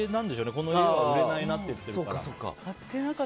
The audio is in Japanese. この家は売れないなって言っているから。